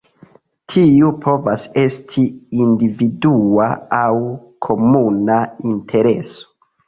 Tiu povas esti individua aŭ komuna intereso.